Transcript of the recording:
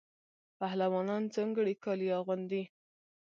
پهلوانان ځانګړي کالي اغوندي.